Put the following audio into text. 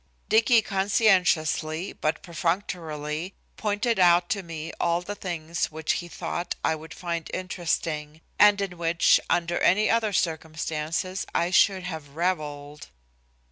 Dicky conscientiously, but perfunctorily, pointed out to me all the things which he thought I would find interesting, and in which, under any other circumstances, I should have revelled.